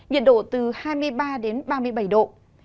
nhiệt độ từ hai mươi ba đến ba mươi bảy độ